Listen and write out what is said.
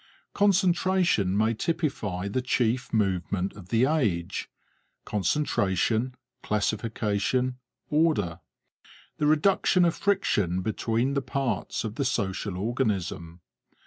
Concentration may typify the chief movement of the age concentration, classification, order; the reduction of friction between the parts of the social organism.